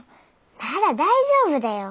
なら大丈夫だよ。